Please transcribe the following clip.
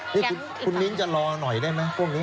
นี่คุณมิ้นจะรอหน่อยได้ไหมพวกนี้